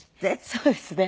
そうですね。